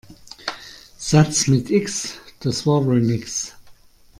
Satz mit X, das war wohl nix.